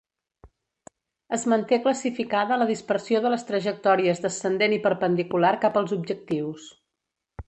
Es manté classificada la dispersió de les trajectòries descendent i perpendicular cap als objectius.